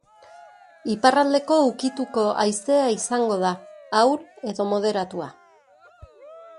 Iparraldeko ukituko haizea izango da, ahul edo moderatua.